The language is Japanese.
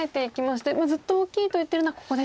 ずっと大きいと言ってるのはここですか。